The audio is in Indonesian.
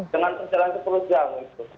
dengan perjalanan sepuluh jam